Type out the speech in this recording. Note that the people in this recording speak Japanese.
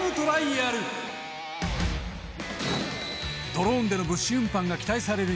ドローンでの物資運搬が期待される